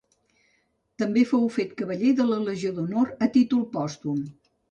També fou fet cavaller de la Legió d'Honor a títol pòstum.